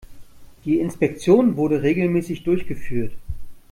Die Inspektion wurde regelmäßig durchgeführt.